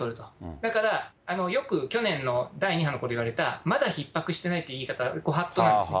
だから、よく去年の第２波のときに言われた、まだひっ迫していないという言い方はご法度なんですね。